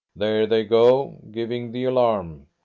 There they go giving the alarm!